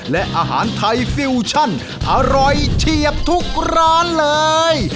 และอาหารไทยฟิวชั่นอร่อยเฉียบทุกร้านเลย